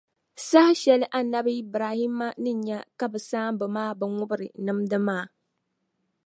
Saha shεli Annabi Ibrahima ni nya ka bɛ saamba maa bi ŋubri nimdi maa.